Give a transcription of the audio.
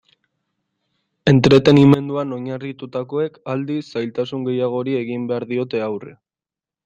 Entretenimenduan oinarritutakoek, aldiz, zailtasun gehiagori egin behar diote aurre.